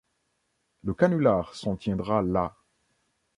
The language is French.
Le canular s'en tiendra là.